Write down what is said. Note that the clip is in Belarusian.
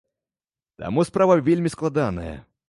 Таму справа вельмі складаная.